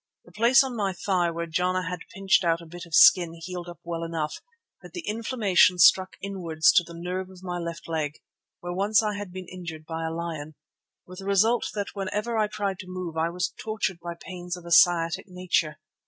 The place on my thigh where Jana had pinched out a bit of the skin healed up well enough, but the inflammation struck inwards to the nerve of my left leg, where once I had been injured by a lion, with the result that whenever I tried to move I was tortured by pains of a sciatic nature.